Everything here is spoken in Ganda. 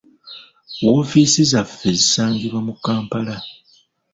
Woofiisi zaffe zisangibwa mu Kampala.